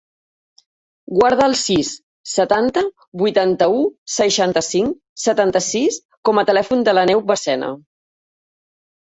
Guarda el sis, setanta, vuitanta-u, seixanta-cinc, setanta-sis com a telèfon de l'Aneu Barcena.